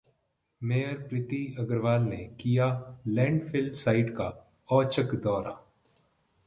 mayor Preeti Agarwal ने किया landfill site का औचक दौरा